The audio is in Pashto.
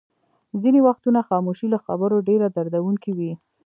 ځینې وختونه خاموشي له خبرو ډېره دردوونکې وي.